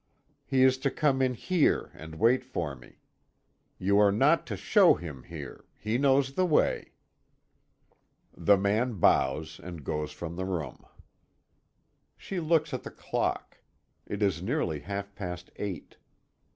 He is to come in here and wait for me. You are not to show him here he knows the way." The man bows and goes from the room. She looks at the clock. It is nearly half past eight.